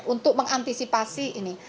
untuk mengantisipasi ini